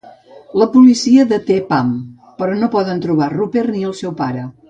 La policia deté Pam, però no poden trobar Rupert ni el seu pare.